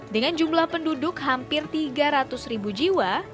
dengan jumlah penduduk hampir tiga ratus ribu jiwa